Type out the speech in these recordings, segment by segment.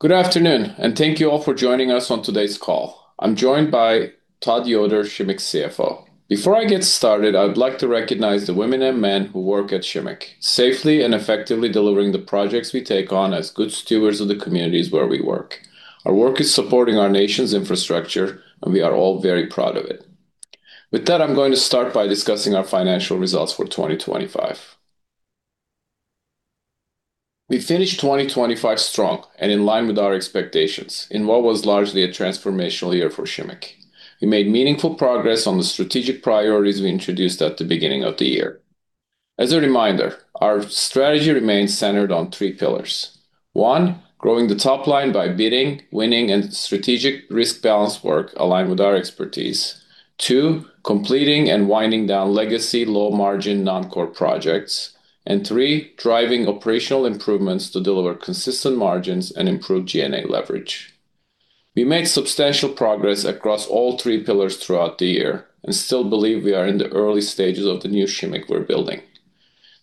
Good afternoon, and thank you all for joining us on today's call. I'm joined by Todd Yoder, Shimmick's CFO. Before I get started, I would like to recognize the women and men who work at Shimmick, safely and effectively delivering the projects we take on as good stewards of the communities where we work. Our work is supporting our nation's infrastructure, and we are all very proud of it. With that, I'm going to start by discussing our financial results for 2025. We finished 2025 strong and in line with our expectations in what was largely a transformational year for Shimmick. We made meaningful progress on the strategic priorities we introduced at the beginning of the year. As a reminder, our strategy remains centered on three pillars. One, growing the top line by bidding, winning, and strategic risk-balanced work aligned with our expertise. Two, completing and winding down legacy low-margin non-core projects. Three, driving operational improvements to deliver consistent margins and improve G&A leverage. We made substantial progress across all three pillars throughout the year and still believe we are in the early stages of the new Shimmick we're building.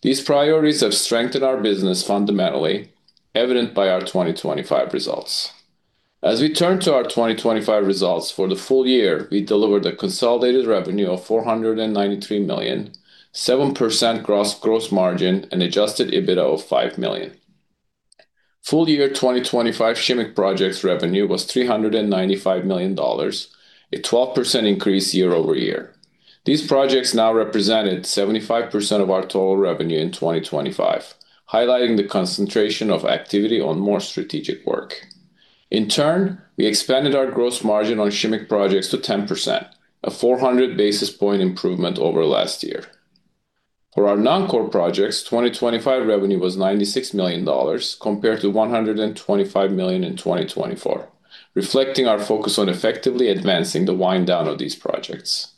These priorities have strengthened our business fundamentally, evident by our 2025 results. As we turn to our 2025 results for the full year, we delivered a consolidated revenue of $493 million, 7% gross margin, and adjusted EBITDA of $5 million. Full year 2025, Shimmick projects' revenue was $395 million, a 12% increase year-over-year. These projects now represented 75% of our total revenue in 2025, highlighting the concentration of activity on more strategic work. In turn, we expanded our gross margin on Shimmick projects to 10%, a 400 basis point improvement over last year. For our non-core projects, 2025 revenue was $96 million compared to $125 million in 2024, reflecting our focus on effectively advancing the wind down of these projects.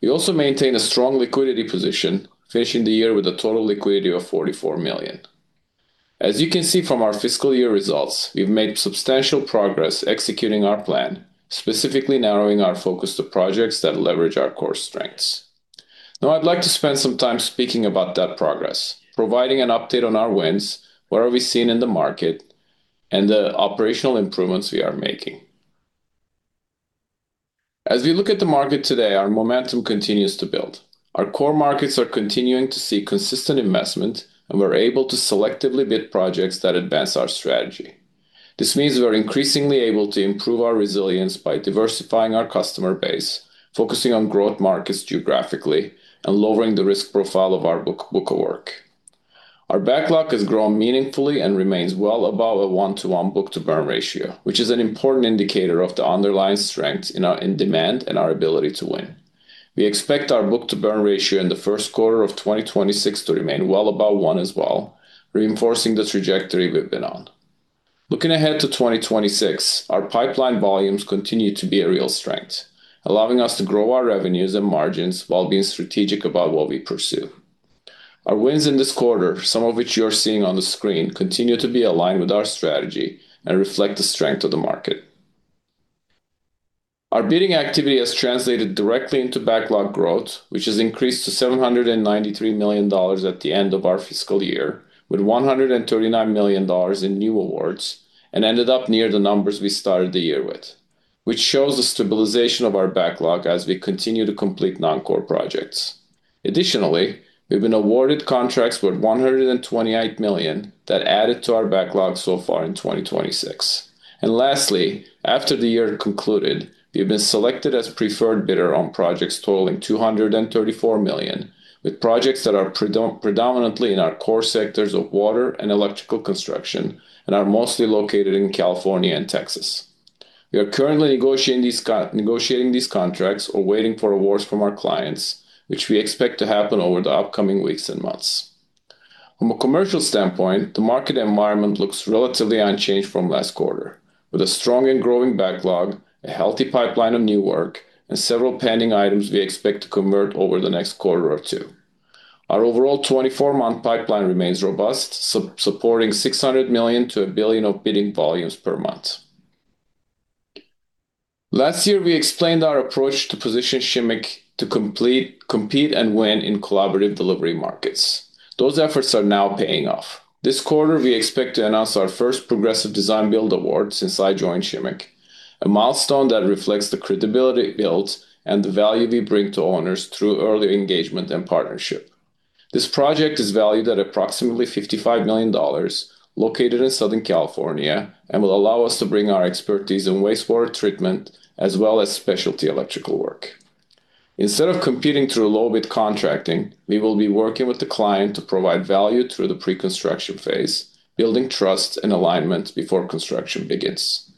We also maintain a strong liquidity position, finishing the year with a total liquidity of $44 million. As you can see from our fiscal year results, we've made substantial progress executing our plan, specifically narrowing our focus to projects that leverage our core strengths. Now, I'd like to spend some time speaking about that progress, providing an update on our wins, what are we seeing in the market, and the operational improvements we are making. As we look at the market today, our momentum continues to build. Our core markets are continuing to see consistent investment, and we're able to selectively bid projects that advance our strategy. This means we're increasingly able to improve our resilience by diversifying our customer base, focusing on growth markets geographically, and lowering the risk profile of our book of work. Our backlog has grown meaningfully and remains well above a one-to-one book-to-burn ratio, which is an important indicator of the underlying strength in demand and our ability to win. We expect our book-to-burn ratio in the first quarter of 2026 to remain well above one as well, reinforcing the trajectory we've been on. Looking ahead to 2026, our pipeline volumes continue to be a real strength, allowing us to grow our revenues and margins while being strategic about what we pursue. Our wins in this quarter, some of which you're seeing on the screen, continue to be aligned with our strategy and reflect the strength of the market. Our bidding activity has translated directly into backlog growth, which has increased to $793 million at the end of our fiscal year, with $139 million in new awards and ended up near the numbers we started the year with, which shows the stabilization of our backlog as we continue to complete non-core projects. Additionally, we've been awarded contracts worth $128 million that added to our backlog so far in 2026. Lastly, after the year concluded, we have been selected as preferred bidder on projects totaling $234 million, with projects that are predominantly in our core sectors of water and electrical construction and are mostly located in California and Texas. We are currently negotiating these contracts or waiting for awards from our clients, which we expect to happen over the upcoming weeks and months. From a commercial standpoint, the market environment looks relatively unchanged from last quarter, with a strong and growing backlog, a healthy pipeline of new work, and several pending items we expect to convert over the next quarter or two. Our overall 24-month pipeline remains robust, supporting $600 million-$1 billion of bidding volumes per month. Last year, we explained our approach to position Shimmick to compete and win in collaborative delivery markets. Those efforts are now paying off. This quarter, we expect to announce our first progressive design-build award since I joined Shimmick, a milestone that reflects the credibility built and the value we bring to owners through early engagement and partnership. This project is valued at approximately $55 million, located in Southern California, and will allow us to bring our expertise in wastewater treatment as well as specialty electrical work. Instead of competing through low bid contracting, we will be working with the client to provide value through the pre-construction phase, building trust and alignment before construction begins.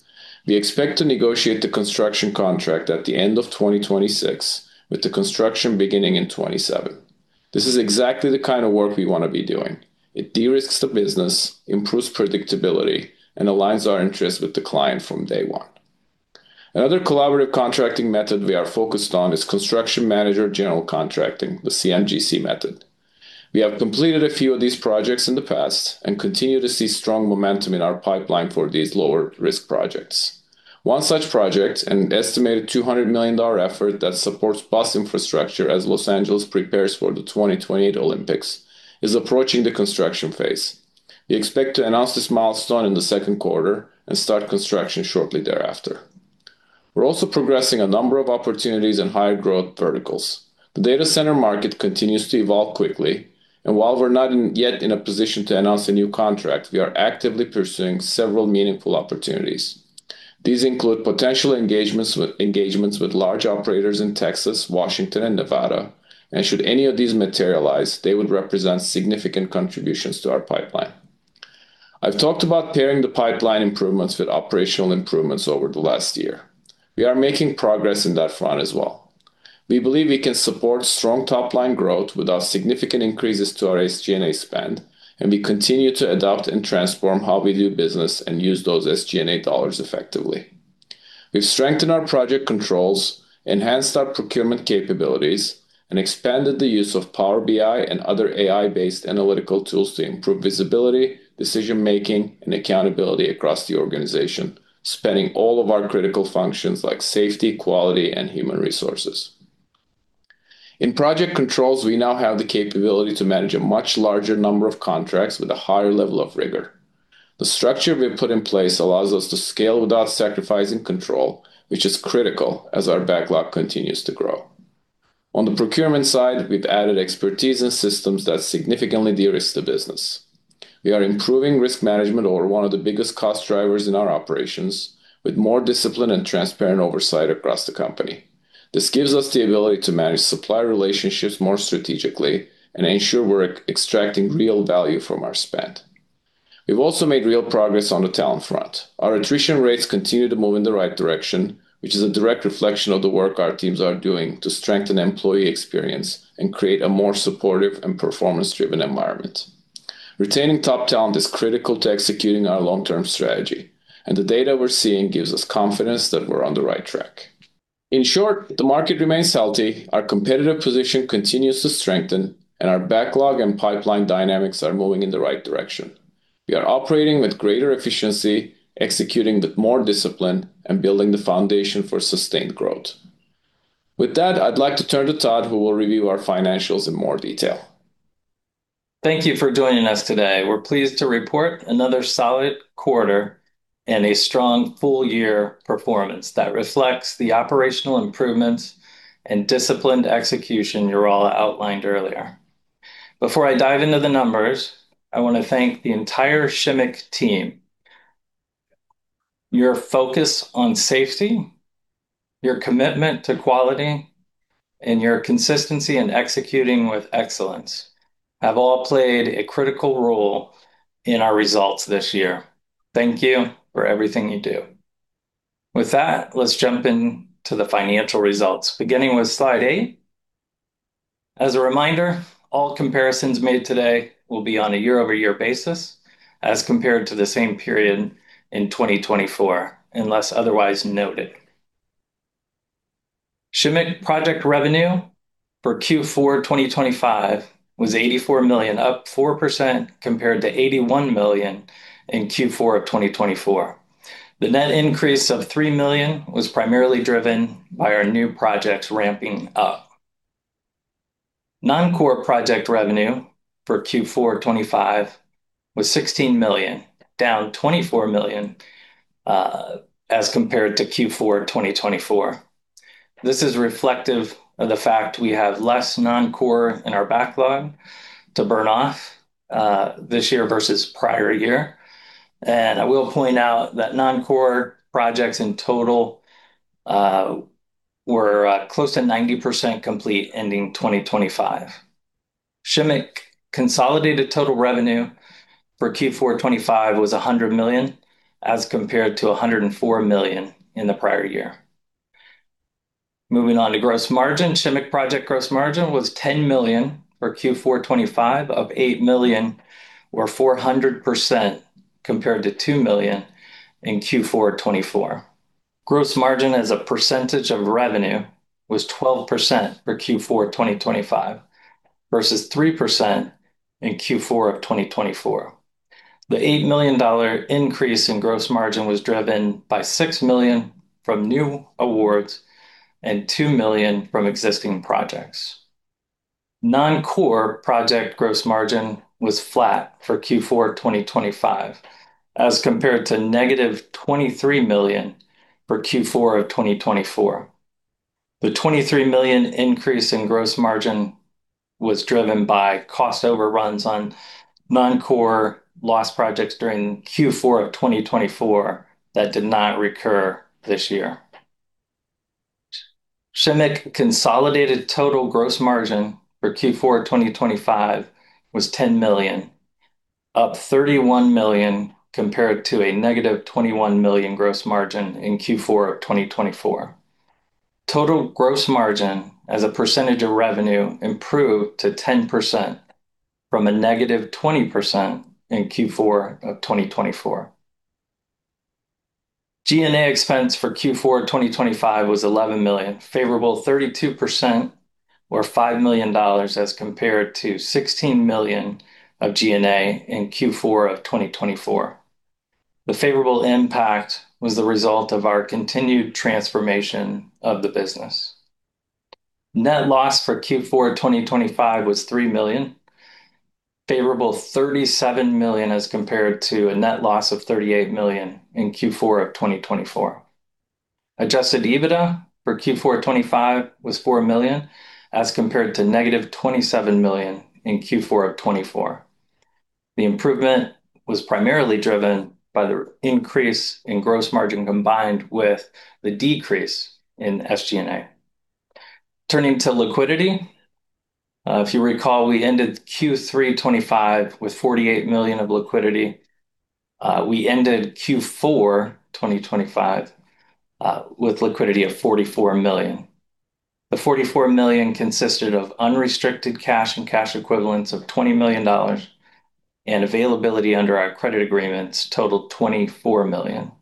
We expect to negotiate the construction contract at the end of 2026, with the construction beginning in 2027. This is exactly the kind of work we wanna be doing. It de-risks the business, improves predictability, and aligns our interests with the client from day one. Another collaborative contracting method we are focused on is construction manager/general contractor, the CM/GC method. We have completed a few of these projects in the past and continue to see strong momentum in our pipeline for these lower-risk projects. One such project, an estimated $200 million effort that supports bus infrastructure as Los Angeles prepares for the 2028 Olympics, is approaching the construction phase. We expect to announce this milestone in the second quarter and start construction shortly thereafter. We're also progressing a number of opportunities in higher growth verticals. The data center market continues to evolve quickly, and while we're not yet in a position to announce a new contract, we are actively pursuing several meaningful opportunities. These include potential engagements with large operators in Texas, Washington, and Nevada. Should any of these materialize, they would represent significant contributions to our pipeline. I've talked about pairing the pipeline improvements with operational improvements over the last year. We are making progress in that front as well. We believe we can support strong top-line growth without significant increases to our SG&A spend, and we continue to adopt and transform how we do business and use those SG&A dollars effectively. We've strengthened our project controls, enhanced our procurement capabilities, and expanded the use of Power BI and other AI-based analytical tools to improve visibility, decision-making, and accountability across the organization, spanning all of our critical functions like safety, quality, and human resources. In project controls, we now have the capability to manage a much larger number of contracts with a higher level of rigor. The structure we've put in place allows us to scale without sacrificing control, which is critical as our backlog continues to grow. On the procurement side, we've added expertise and systems that significantly de-risk the business. We are improving risk management over one of the biggest cost drivers in our operations with more discipline and transparent oversight across the company. This gives us the ability to manage supplier relationships more strategically and ensure we're extracting real value from our spend. We've also made real progress on the talent front. Our attrition rates continue to move in the right direction, which is a direct reflection of the work our teams are doing to strengthen employee experience and create a more supportive and performance-driven environment. Retaining top talent is critical to executing our long-term strategy, and the data we're seeing gives us confidence that we're on the right track. In short, the market remains healthy, our competitive position continues to strengthen, and our backlog and pipeline dynamics are moving in the right direction. We are operating with greater efficiency, executing with more discipline, and building the foundation for sustained growth. With that, I'd like to turn to Todd, who will review our financials in more detail. Thank you for joining us today. We're pleased to report another solid quarter and a strong full year performance that reflects the operational improvements and disciplined execution Ural outlined earlier. Before I dive into the numbers, I wanna thank the entire Shimmick team. Your focus on safety, your commitment to quality, and your consistency in executing with excellence have all played a critical role in our results this year. Thank you for everything you do. With that, let's jump into the financial results, beginning with slide 8. As a reminder, all comparisons made today will be on a year-over-year basis as compared to the same period in 2024, unless otherwise noted. Shimmick project revenue for Q4 2025 was $84 million, up 4% compared to $81 million in Q4 of 2024. The net increase of $3 million was primarily driven by our new projects ramping up. Non-core project revenue for Q4 2025 was $16 million, down $24 million as compared to Q4 2024. This is reflective of the fact we have less non-core in our backlog to burn off this year versus prior year. I will point out that non-core projects in total were close to 90% complete ending 2025. Shimmick consolidated total revenue for Q4 2025 was $100 million as compared to $104 million in the prior year. Moving on to gross margin. Shimmick project gross margin was $10 million for Q4 2025 up $8 million or 400% compared to $2 million in Q4 2024. Gross margin as a percentage of revenue was 12% for Q4 2025 versus 3% in Q4 2024. The $8 million increase in gross margin was driven by $6 million from new awards and $2 million from existing projects. Non-core project gross margin was flat for Q4 2025 as compared to negative $23 million for Q4 of 2024. The $23 million increase in gross margin was driven by cost overruns on non-core loss projects during Q4 of 2024 that did not recur this year. Shimmick consolidated total gross margin for Q4 of 2025 was $10 million, up $31 million compared to a negative $21 million gross margin in Q4 of 2024. Total gross margin as a percentage of revenue improved to 10% from a negative 20% in Q4 of 2024. G&A expense for Q4 2025 was $11 million, favorable 32% or $5 million as compared to $16 million of G&A in Q4 of 2024. The favorable impact was the result of our continued transformation of the business. Net loss for Q4 2025 was $3 million, favorable $37 million as compared to a net loss of $38 million in Q4 of 2024. Adjusted EBITDA for Q4 2025 was $4 million, as compared to -$27 million in Q4 of 2024. The improvement was primarily driven by the increase in gross margin combined with the decrease in SG&A. Turning to liquidity, if you recall, we ended Q3 2025 with $48 million of liquidity. We ended Q4 2025 with liquidity of $44 million. The $44 million consisted of unrestricted cash and cash equivalents of $20 million, and availability under our credit agreements totaled $24 million.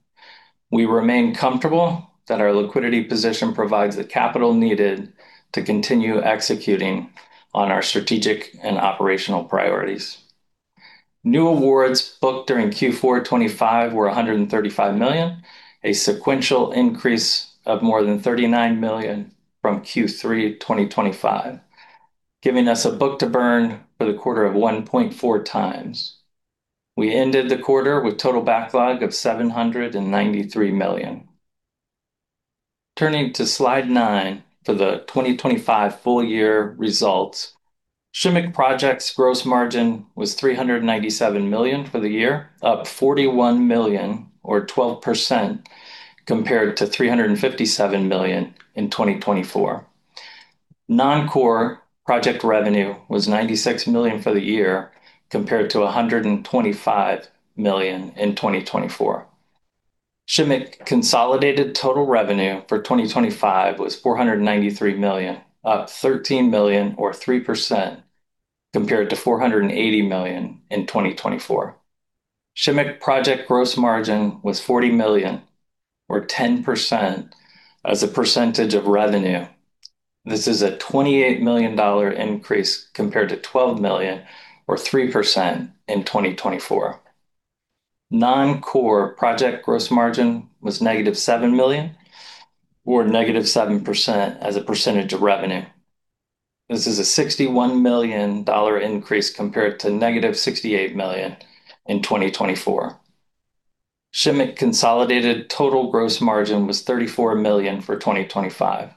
We remain comfortable that our liquidity position provides the capital needed to continue executing on our strategic and operational priorities. New awards booked during Q4 2025 were $135 million, a sequential increase of more than $39 million from Q3 2025, giving us a book-to-burn for the quarter of 1.4x. We ended the quarter with total backlog of $793 million. Turning to slide nine for the 2025 full year results, Shimmick projects gross margin was $397 million for the year, up $41 million or 12% compared to $357 million in 2024. Non-core project revenue was $96 million for the year compared to $125 million in 2024. Shimmick consolidated total revenue for 2025 was $493 million, up $13 million or 3% compared to $480 million in 2024. Shimmick project gross margin was $40 million or 10% as a percentage of revenue. This is a $28 million increase compared to $12 million or 3% in 2024. Non-core project gross margin was -$7 million or -7% as a percentage of revenue. This is a $61 million increase compared to -$68 million in 2024. Shimmick consolidated total gross margin was $34 million for 2025,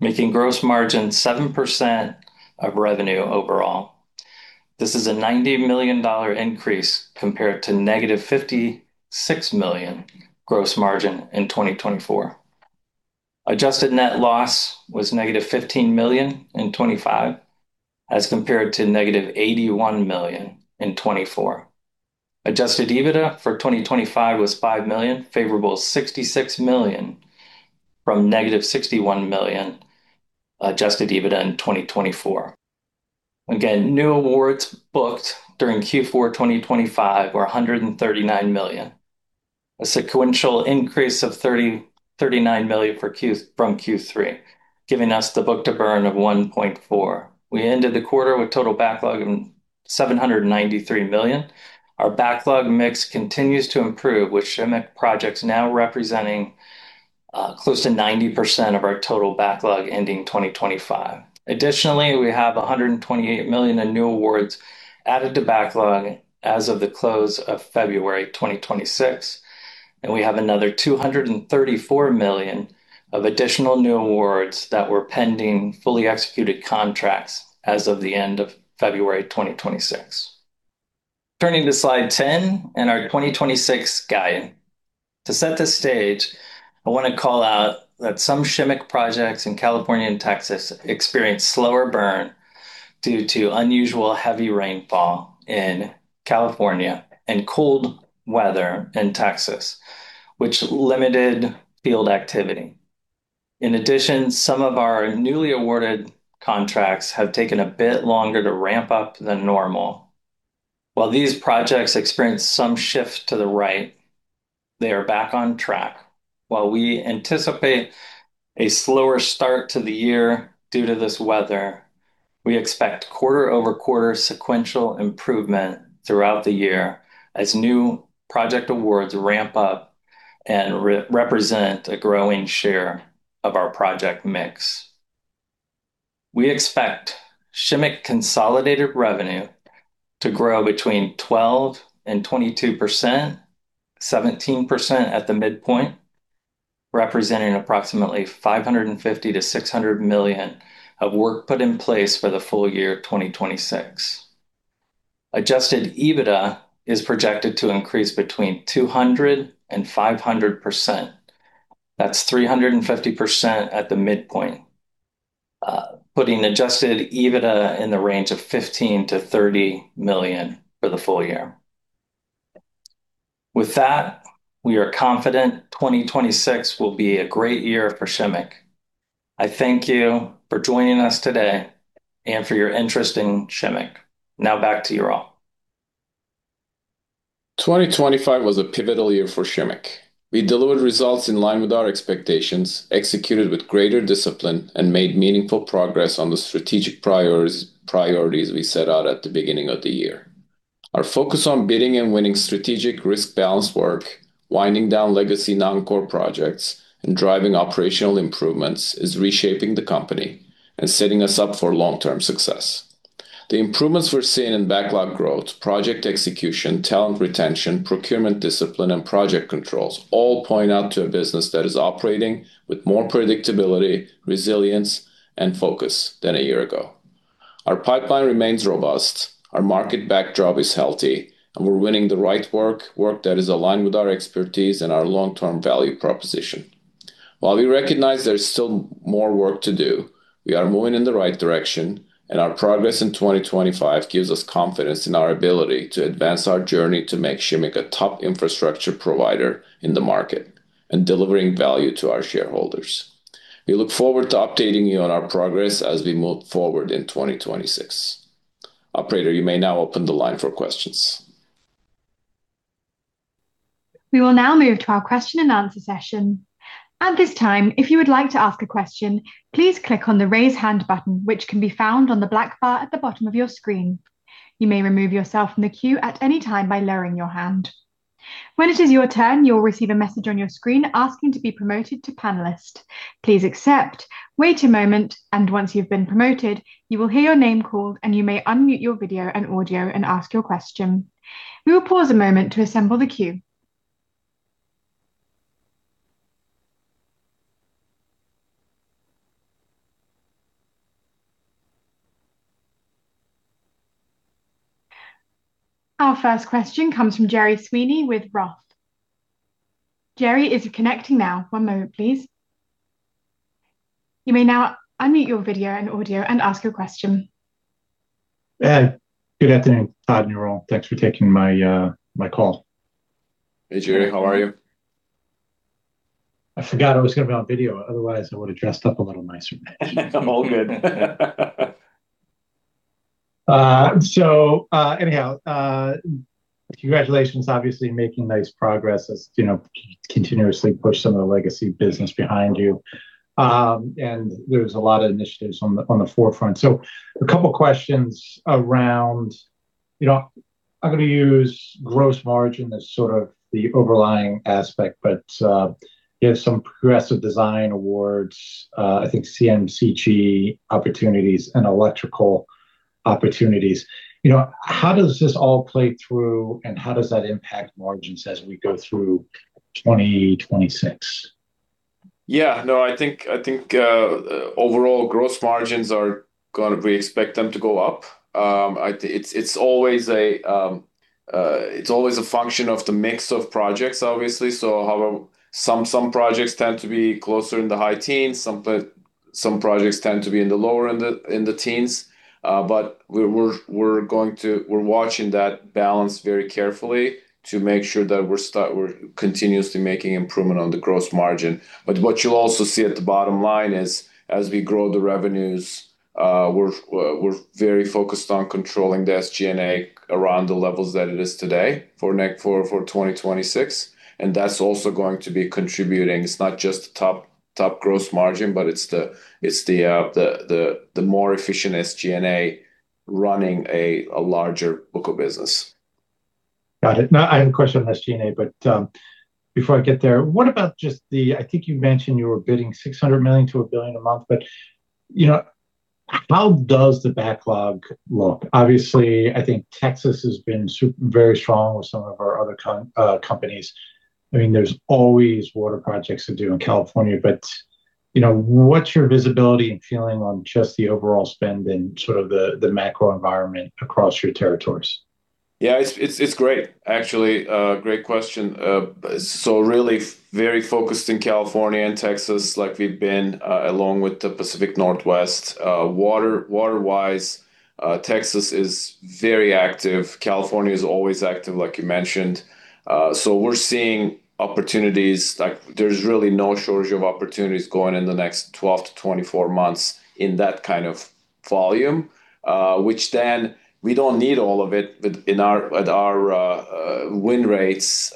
making gross margin 7% of revenue overall. This is a $90 million increase compared to -$56 million gross margin in 2024. Adjusted net loss was -$15 million in 2025 as compared to -$81 million in 2024. Adjusted EBITDA for 2025 was $5 million, favorable $66 million from -$61 million adjusted EBITDA in 2024. New awards booked during Q4 2025 were $139 million, a sequential increase of $39 million from Q3, giving us the book-to-burn of 1.4. We ended the quarter with total backlog of $793 million. Our backlog mix continues to improve, with Shimmick projects now representing close to 90% of our total backlog ending 2025. Additionally, we have $128 million in new awards added to backlog as of the close of February 2026, and we have another $234 million of additional new awards that were pending fully executed contracts as of the end of February 2026. Turning to slide 10 and our 2026 guide. To set the stage, I want to call out that some Shimmick projects in California and Texas experienced slower burn due to unusual heavy rainfall in California and cold weather in Texas, which limited field activity. In addition, some of our newly awarded contracts have taken a bit longer to ramp up than normal. While these projects experienced some shift to the right, they are back on track. While we anticipate a slower start to the year due to this weather, we expect quarter-over-quarter sequential improvement throughout the year as new project awards ramp up and re-represent a growing share of our project mix. We expect Shimmick consolidated revenue to grow between 12% and 22%, 17% at the midpoint, representing approximately $550 million-$600 million of work put in place for the full year of 2026. Adjusted EBITDA is projected to increase between 200% and 500%. That's 350% at the midpoint, putting adjusted EBITDA in the range of $15 million-$30 million for the full year. With that, we are confident 2026 will be a great year for Shimmick. I thank you for joining us today and for your interest in Shimmick. Now back to you, Ural. 2025 was a pivotal year for Shimmick. We delivered results in line with our expectations, executed with greater discipline, and made meaningful progress on the strategic priorities we set out at the beginning of the year. Our focus on bidding and winning strategic risk balance work, winding down legacy non-core projects, and driving operational improvements is reshaping the company and setting us up for long-term success. The improvements we're seeing in backlog growth, project execution, talent retention, procurement discipline, and project controls all point to a business that is operating with more predictability, resilience, and focus than a year ago. Our pipeline remains robust, our market backdrop is healthy, and we're winning the right work that is aligned with our expertise and our long-term value proposition. While we recognize there's still more work to do, we are moving in the right direction, and our progress in 2025 gives us confidence in our ability to advance our journey to make Shimmick a top infrastructure provider in the market and delivering value to our shareholders. We look forward to updating you on our progress as we move forward in 2026. Operator, you may now open the line for questions. We will now move to our question and answer session. At this time, if you would like to ask a question, please click on the Raise Hand button, which can be found on the black bar at the bottom of your screen. You may remove yourself from the queue at any time by lowering your hand. When it is your turn, you will receive a message on your screen asking to be promoted to panelist. Please accept, wait a moment, and once you've been promoted, you will hear your name called, and you may unmute your video and audio and ask your question. We will pause a moment to assemble the queue. Our first question comes from Gerard Sweeney with Roth. Gerard, is connecting now. One moment please. You may now unmute your video and audio and ask your question. Good afternoon, Todd and Ural. Thanks for taking my call. Hey, Jerry. How are you? I forgot I was gonna be on video, otherwise I would have dressed up a little nicer. All good. Congratulation, obviously, making nice progress as you know, continuously push some of the legacy business behind you. There's a lot of initiatives on the forefront. A couple questions around, you know, I'm gonna use gross margin as sort of the overlying aspect, but you have some progressive design awards, I think CM/GC opportunities and electrical opportunities. You know, how does this all play through, and how does that impact margins as we go through 2026? Yeah. No, I think overall, gross margins are gonna go up. We expect them to go up. It's always a function of the mix of projects, obviously. Some projects tend to be closer in the high teens, some projects tend to be in the lower teens. We're watching that balance very carefully to make sure that we're continuously making improvement on the gross margin. What you'll also see at the bottom line is, as we grow the revenues, we're very focused on controlling the SG&A around the levels that it is today for 2026, and that's also going to be contributing. It's not just top gross margin, but it's the more efficient SG&A running a larger book of business. Got it. Now I had a question on SG&A, but before I get there, what about just the, I think you mentioned you were bidding $600 million-$1 billion a month, but you know, how does the backlog look? Obviously, I think Texas has been very strong with some of our other companies. I mean, there's always water projects to do in California, but you know, what's your visibility and feeling on just the overall spend and sort of the macro environment across your territories? Yeah. It's great. Actually, great question. Really very focused in California and Texas, like we've been, along with the Pacific Northwest. Water, water-wise, Texas is very active. California is always active, like you mentioned. We're seeing opportunities. Like, there's really no shortage of opportunities going in the next 12 months-24 months in that kind of volume, which then we don't need all of it with our win rates.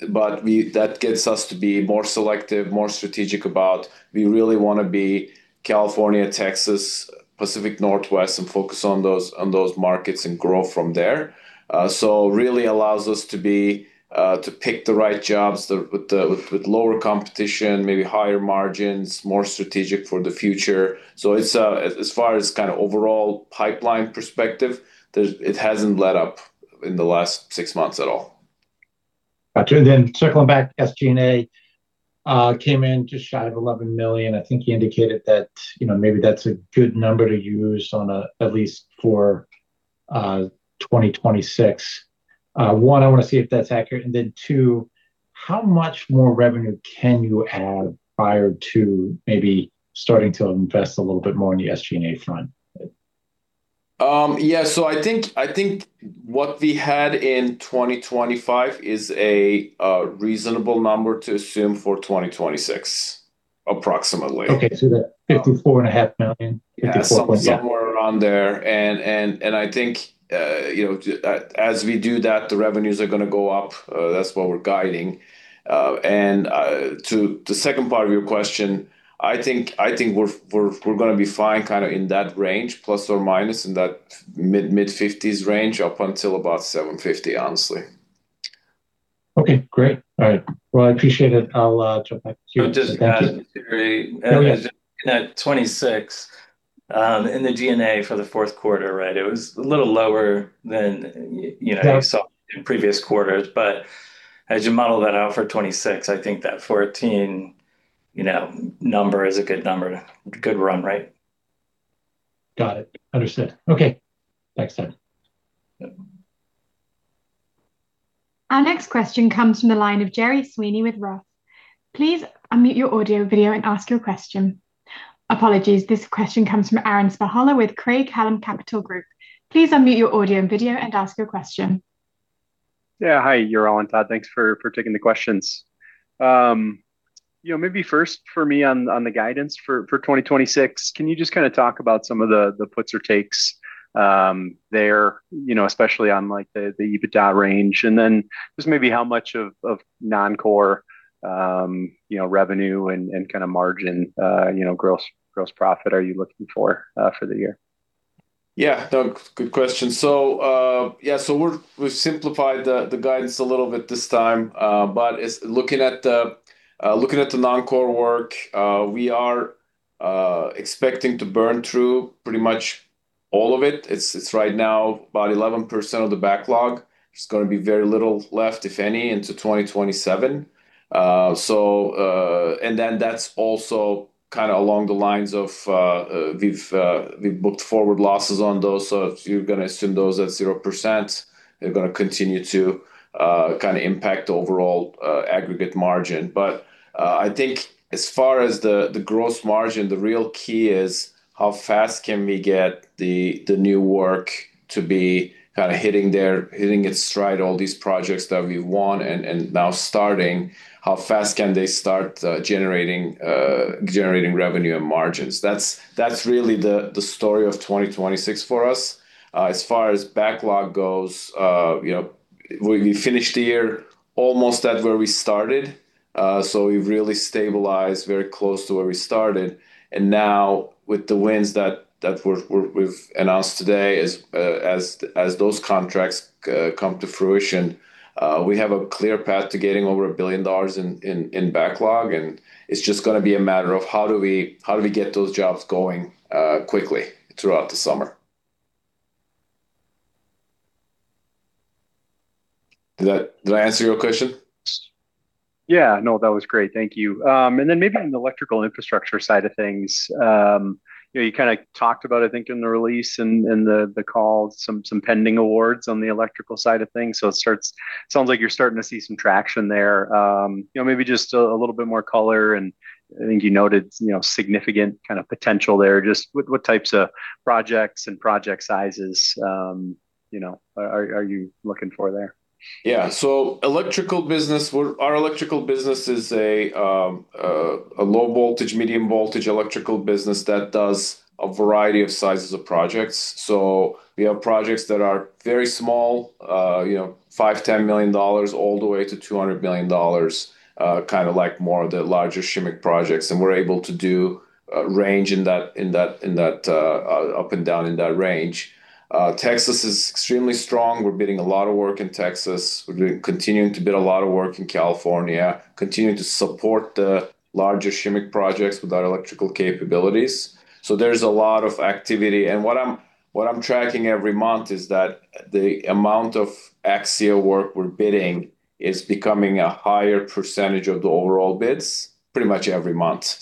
That gets us to be more selective, more strategic about we really wanna be California, Texas, Pacific Northwest, and focus on those markets and grow from there. Really allows us to pick the right jobs with lower competition, maybe higher margins, more strategic for the future. It's, as far as kind of overall pipeline perspective, it hasn't let up in the last six months at all. Gotcha. Circling back, SG&A came in just shy of $11 million. I think you indicated that, you know, maybe that's a good number to use on a, at least for 2026. One, I wanna see if that's accurate. Then two, how much more revenue can you add prior to maybe starting to invest a little bit more in the SG&A front? I think what we had in 2025 is a reasonable number to assume for 2026. Approximately Okay, so the 54.5 million- Yeah, somewhere around there. I think, you know, as we do that, the revenues are gonna go up. That's what we're guiding. To the second part of your question, I think we're gonna be fine kind of in that range, plus or minus, in that mid-$50s range up until about $750, honestly. Okay, great. All right. Well, I appreciate it. I'll jump back to you. Just to add, Gerard Sweeney. No, yeah. At 26%, in the G&A for the fourth quarter, right? It was a little lower than you know. Yeah You saw in previous quarters, as you model that out for 2026, I think that 14, you know, number is a good number. Good run, right? Got it. Understood. Okay. Thanks, Todd Yoder. Our next question comes from the line of Gerard Sweeney with Roth. Please unmute your audio and video and ask your question. Apologies, this question comes from Aaron Spychalla with Craig-Hallum Capital Group. Please unmute your audio and video and ask your question. Yeah, hi, Ural and Todd. Thanks for taking the questions. You know, maybe first for me on the guidance for 2026, can you just kinda talk about some of the puts or takes there, you know, especially on like the EBITDA range? Then just maybe how much of non-core you know revenue and kinda margin you know gross profit are you looking for for the year? Yeah, Doug, good question. We've simplified the guidance a little bit this time, but it's looking at the non-core work, we are expecting to burn through pretty much all of it. It's right now about 11% of the backlog. There's gonna be very little left, if any, into 2027. That's also kinda along the lines of, we've booked forward losses on those, so if you're gonna assume those at 0%, they're gonna continue to kinda impact overall aggregate margin. I think as far as the gross margin, the real key is how fast can we get the new work to be kinda hitting its stride, all these projects that we won and now starting, how fast can they start generating revenue and margins? That's really the story of 2026 for us. As far as backlog goes, you know, we finished the year almost at where we started, so we've really stabilized very close to where we started. Now with the wins that we've announced today, as those contracts come to fruition, we have a clear path to getting over $1 billion in backlog, and it's just gonna be a matter of how do we get those jobs going quickly throughout the summer. Did I answer your question? Yeah. No, that was great. Thank you. Maybe on the electrical infrastructure side of things, you know, you kinda talked about, I think, in the release and the call some pending awards on the electrical side of things, sounds like you're starting to see some traction there. You know, maybe just a little bit more color, and I think you noted, you know, significant kinda potential there. Just what types of projects and project sizes, you know, are you looking for there? Yeah. Our electrical business is a low voltage, medium voltage electrical business that does a variety of sizes of projects. We have projects that are very small, you know, $5 million-$10 million all the way to $200 million, kinda like more of the larger Shimmick projects, and we're able to do a range up and down in that range. Texas is extremely strong. We're bidding a lot of work in Texas. We're continuing to bid a lot of work in California, continuing to support the larger Shimmick projects with our electrical capabilities. There's a lot of activity. What I'm tracking every month is that the amount of Axia work we're bidding is becoming a higher percentage of the overall bids pretty much every month.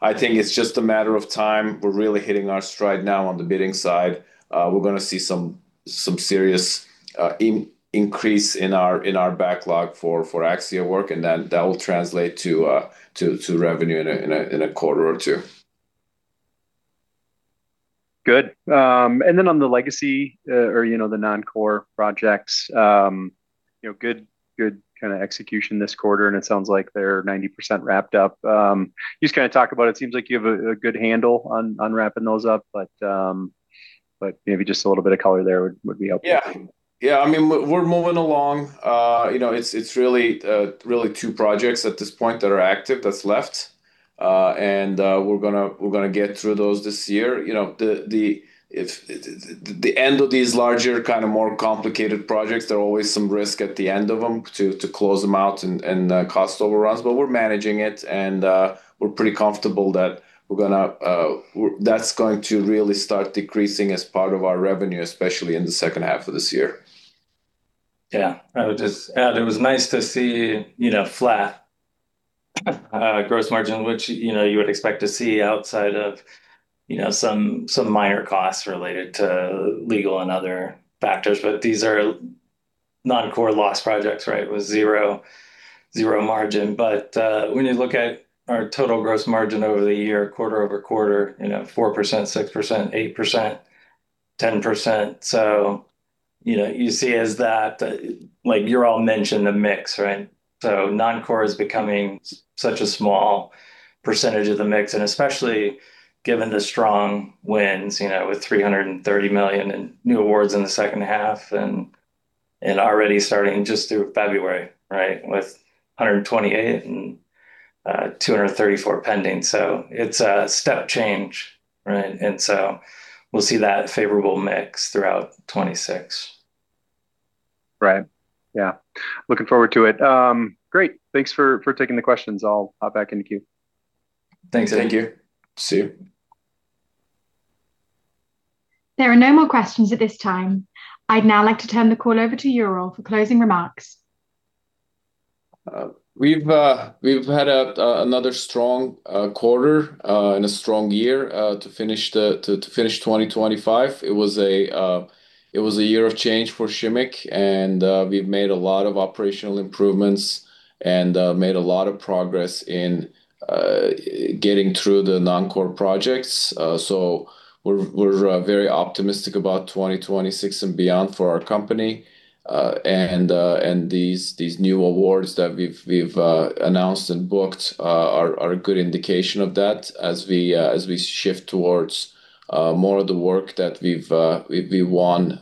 I think it's just a matter of time. We're really hitting our stride now on the bidding side. We're gonna see some serious increase in our backlog for Axia work, and then that will translate to revenue in a quarter or two. Good. On the legacy, you know, the non-core projects, you know, good kinda execution this quarter, and it sounds like they're 90% wrapped up. Can you just kinda talk about it. It seems like you have a good handle on wrapping those up, but maybe just a little bit of color there would be helpful. Yeah. Yeah, I mean, we're moving along. You know, it's really two projects at this point that are active that's left, and we're gonna get through those this year. You know, at the end of these larger, kinda more complicated projects, there are always some risk at the end of them to close them out and cost overruns, but we're managing it and we're pretty comfortable that that's going to really start decreasing as part of our revenue, especially in the second half of this year. Yeah. I would just add, it was nice to see, you know, flat gross margin, which, you know, you would expect to see outside of, you know, some minor costs related to legal and other factors. These are non-core loss projects, right, with zero margin. When you look at our total gross margin over the year, quarter-over-quarter, you know, 4%, 6%, 8%, 10%. You know, you see is that, like Ural mentioned, the mix, right? Non-core is becoming such a small percentage of the mix, and especially given the strong wins, you know, with $300 million in new awards in the second half and already starting just through February, right, with $128 million and $234 million pending. It's a step change, right? We'll see that favorable mix throughout 2026. Right. Yeah. Looking forward to it. Great. Thanks for taking the questions. I'll hop back in the queue. Thanks. Thank you. See you. There are no more questions at this time. I'd now like to turn the call over to Ural for closing remarks. We've had another strong quarter and a strong year to finish 2025. It was a year of change for Shimmick, and we've made a lot of operational improvements and made a lot of progress in getting through the non-core projects. We're very optimistic about 2026 and beyond for our company. These new awards that we've announced and booked are a good indication of that. As we shift towards more of the work that we've won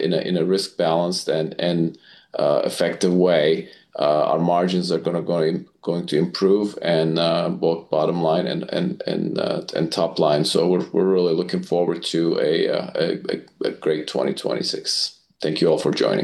in a risk balanced and effective way, our margins are going to improve in both bottom line and top line. We're really looking forward to a great 2026. Thank you all for joining.